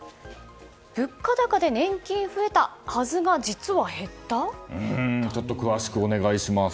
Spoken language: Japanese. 物価高で年金増えたはずがちょっと詳しくお願いします。